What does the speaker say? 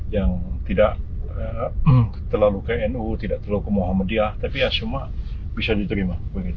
yang tidak terlalu ke nu tidak terlalu ke muhammadiyah tapi ya semua bisa diterima